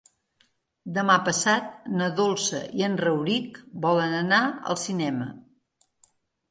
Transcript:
Demà passat na Dolça i en Rauric volen anar al cinema.